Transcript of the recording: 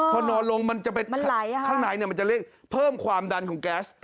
พอนอนลงมันจะไปข้างในมันจะเร่งเพิ่มความดันของแก๊ส